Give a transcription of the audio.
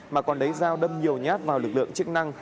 mà còn lấy dao đâm nhiều nhát vào lực lượng chức năng